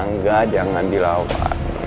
tidak jangan dilawan